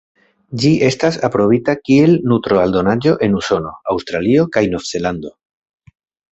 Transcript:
Ĝi estas aprobita kiel nutro-aldonaĵo en Usono, Aŭstralio kaj Nov-Zelando.